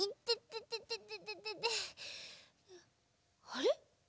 あれ？